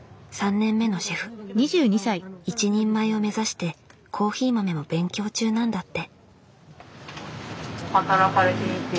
一人前を目指してコーヒー豆も勉強中なんだって。